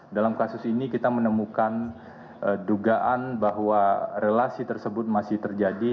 dalam kasus ini kita menemukan dugaan bahwa relasi tersebut masih terjadi